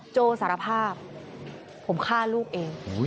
โจสารภาพผมฆ่าลูกเอง